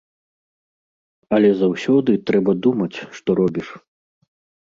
Але заўсёды трэба думаць, што робіш.